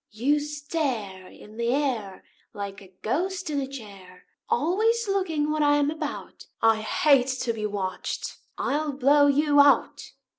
You stare In the air Like a ghost in a chair, Always looking what I am about; I hate to be watched I'll blow you out."